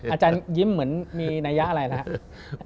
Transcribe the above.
อาจารย์ยิ้มเหมือนมีนัยะอะไรนะครับ